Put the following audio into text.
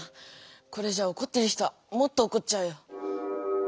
これじゃおこってる人はもっとおこっちゃうよ。